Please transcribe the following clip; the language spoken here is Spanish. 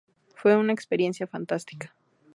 Fue una experiencia fantástica".